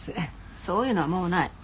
そういうのはもうない。